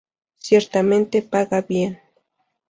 Ciertamente paga bien".